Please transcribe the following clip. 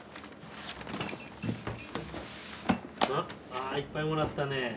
ああいっぱいもらったね。